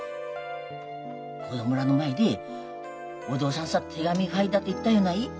子供らの前で「お父さんさ手紙書いた」って言ったよない？